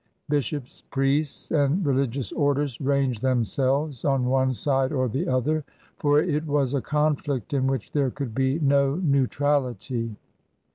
Bishops, priests, and religious orders ranged themselves on one side or the other, for it was a conflict in which there could be no neu trality.